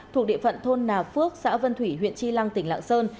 thuộc địa phận thôn nà phước xã vân thủy huyện tri lăng tỉnh lạng sơn